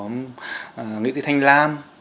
nghĩa sĩ thanh lam